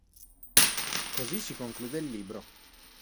Così si conclude il libro.